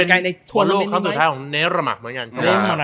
ข้าวโลคค้าสุดท้ายของเนรมัก